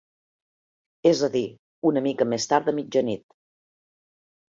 És a dir, una mica més tard de mitjanit.